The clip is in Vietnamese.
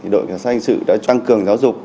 đội giáo sách hình sự đã tăng cường giáo dục